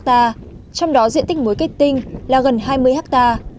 trong đó diện tích muối cây tinh là gần hai mươi ha